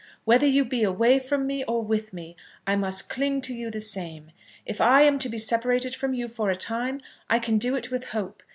Whether you be away from me or with me, I must cling to you the same. If I am to be separated from you for a time, I can do it with hope.